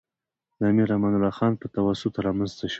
د امیر امان الله خان په تواسط رامنځته شو.